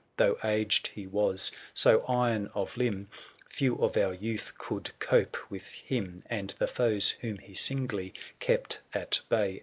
'& Though aged he was, so iron of limb, Few of our youth could cope with him ; And the foes, whom he singly kept at bay.